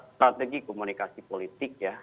strategi komunikasi politik ya